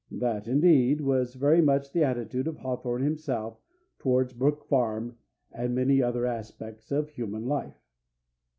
That, indeed, was very much the attitude of Hawthorne himself towards Brook Farm and many other aspects of human life.